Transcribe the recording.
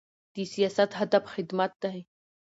د سیاست هدف خدمت دی